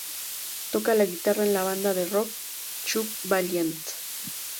Toca la guitarra en la banda de rock "Chuck Valiant".